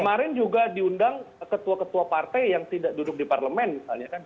karena ketua ketua partai yang tidak duduk di parlemen misalnya kan